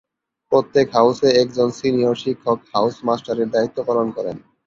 প্রত্যেক হাউসে একজন সিনিয়র শিক্ষক ‘হাউস মাস্টার’-এর দায়িত্ব পালন করেন।